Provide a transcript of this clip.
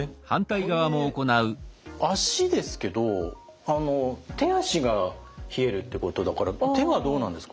これ足ですけど手足が冷えるってことだから手はどうなんですか？